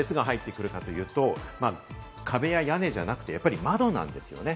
どこから熱が入ってくるかというと、壁や屋根じゃなくてやっぱり窓なんですよね。